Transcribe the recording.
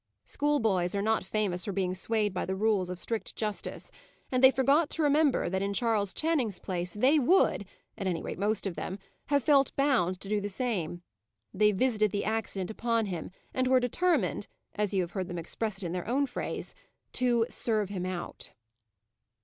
Schoolboys are not famous for being swayed by the rules of strict justice; and they forgot to remember that in Charles Channing's place they would (at any rate, most of them) have felt bound to do the same. They visited the accident upon him, and were determined as you have heard them express it in their own phrase to "serve him out."